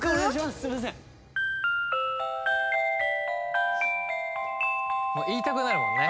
すいません言いたくなるもんね